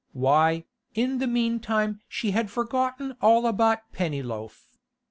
—Why, in the meantime she had forgotten all about Pennyloaf.